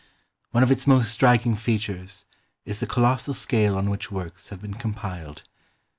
One of its most striking features is the colossal scale on which works have been compiled.